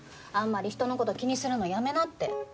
あんまり人の事気にするのやめなって。